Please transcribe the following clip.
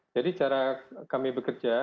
jadi cara kami bekerja